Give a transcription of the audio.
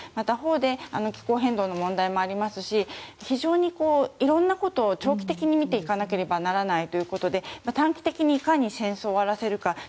他方で気候変動の問題もありますし非常に色んなことを長期的に見ていかなければいけないということで短期的にいかに戦争を終わらせるか